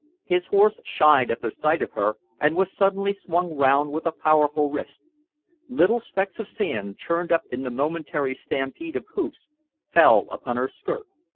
His horse shied at the sight of her and was suddenly swung round with a powerful wrist. Little specks of sand, churned up in the momentary stampede of hoofs, fell upon her skirt.